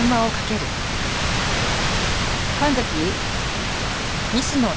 神崎？